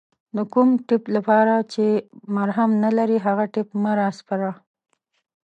د کوم ټپ لپاره چې مرهم نلرې هغه ټپ مه راسپړه